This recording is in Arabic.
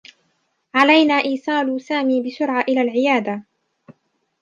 علينا إيصال سامي بسرعة إلى العيادة.